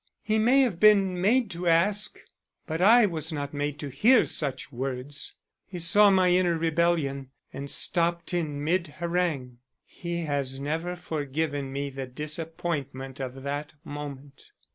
He may have been made to ask, but I was not made to hear such words. He saw my inner rebellion and stopped in mid harangue. He has never forgiven me the disappointment of that moment.